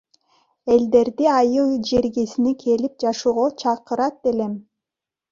Элдерди айыл жергесине келип жашоого чакырат элем.